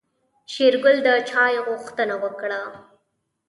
شېرګل د چاي غوښتنه وکړه.